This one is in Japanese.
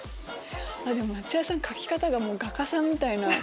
松也さん描き方が画家さんみたい。